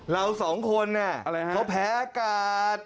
เราสองคนน่ะเขาแพ้กาท